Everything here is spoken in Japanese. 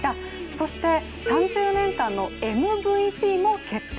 そして３０年間のＭＶＰも決定。